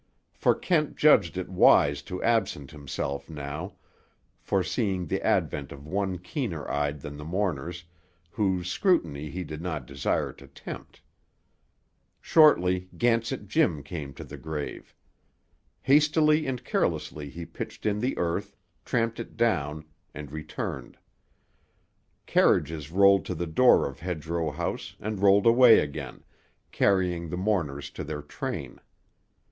For Kent judged it wise to absent himself now, foreseeing the advent of one keener eyed than the mourners, whose scrutiny he did not desire to tempt. Shortly Gansett Jim came to the grave. Hastily and carelessly he pitched in the earth, tramped it down, and returned. Carriages rolled to the door of Hedgerow House, and rolled away again, carrying the mourners to their train.